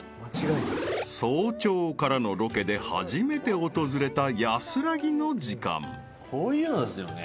［早朝からのロケで初めて訪れた安らぎの時間］